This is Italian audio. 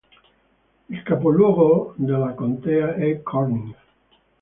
Il capoluogo della contea è Corning.